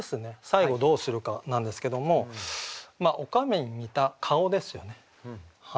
最後どうするかなんですけどもおかめに似た「顔」ですよね。